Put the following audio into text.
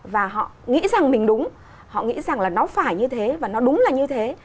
và họ nghĩ rằng mình đúng họ nghĩ rằng là nó phải như thế và nó đúng là như thế